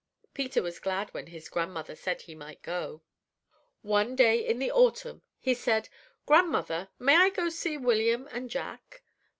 Peter was glad when his grandmother said he might go. "One day in the autumn, he said: 'Grandmother, may I go and see William and Jack?'